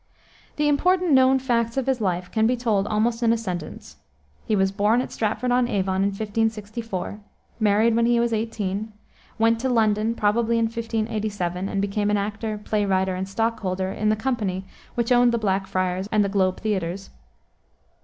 The important known facts of his life can be told almost in a sentence. He was born at Stratford on Avon in 1564, married when he was eighteen, went to London probably in 1587, and became an actor, playwriter, and stockholder in the company which owned the Blackfriars and the Globe Theaters.